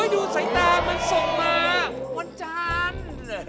ดูสายตามันส่งมาวันจันทร์